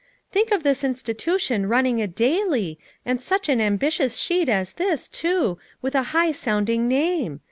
"Think of this insti tution running a daily, and such an ambitious sheet as this, too, with a high sounding name